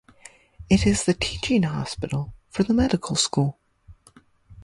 It is the teaching hospital for the medical school.